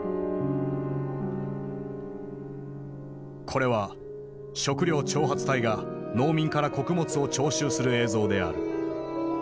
これは食糧徴発隊が農民から穀物を徴収する映像である。